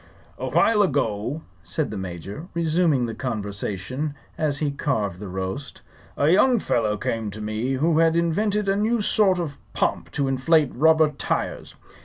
"A while ago," said the Major, resuming the conversation as he carved the roast, "a young fellow came to me who had invented a new sort of pump to inflate rubber tires.